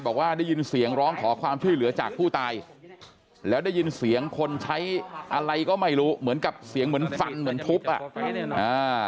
บอกว่าได้ยินเสียงร้องขอความช่วยเหลือจากผู้ตายแล้วได้ยินเสียงคนใช้อะไรก็ไม่รู้เหมือนกับเสียงเหมือนฟันเหมือนทุบอ่ะอ่า